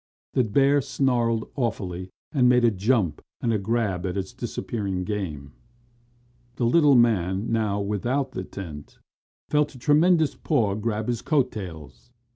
The bear snarled awfully and made a jump and a grab at his disappearing game. The little man, now without the tent, felt a tremendous paw grab his coat tails.